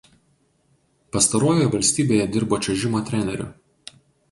Pastarojoje valstybėje dirbo čiuožimo treneriu.